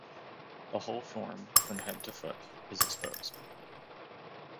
The whole form, from head to foot, is exposed.